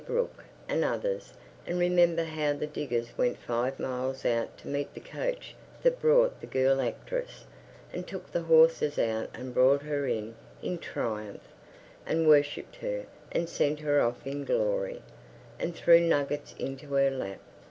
Brooke, and others, and remember how the diggers went five miles out to meet the coach that brought the girl actress, and took the horses out and brought her in in triumph, and worshipped her, and sent her off in glory, and threw nuggets into her lap.